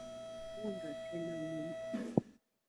Mòóndá tɛ́ nà mòóndá.